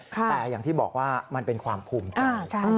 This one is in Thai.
แต่อย่างที่บอกว่ามันเป็นความภูมิใจ